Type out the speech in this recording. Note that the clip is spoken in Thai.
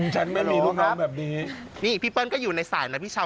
ฉันไม่มีลูกน้องแบบนี้นี่พี่เปิ้ลก็อยู่ในสายนะพี่เช้า